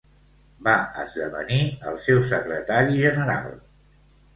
Va esdevenir el seu secretari general.